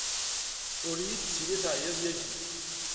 Ur iyi-d-ttini teɛyid yagi.